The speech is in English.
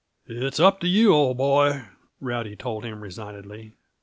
"It's up to you, old boy," Rowdy told him resignedly.